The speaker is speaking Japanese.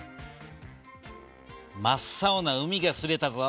真っ青な海が刷れたぞ。